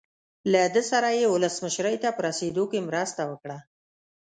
له ده سره یې ولسمشرۍ ته په رسېدو کې مرسته وکړه.